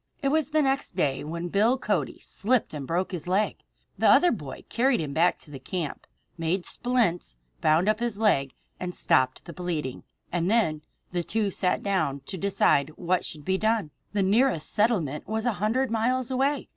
It was the next day, when Bill Cody slipped and broke his leg. The other boy carried him back to the camp, made splints, bound up his leg, and stopped the bleeding; and then the two sat down to decide what should be done. The nearest settlement was a hundred miles away.